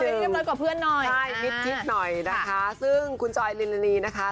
เรียบร้อยว่ากับเพื่อนหน่อย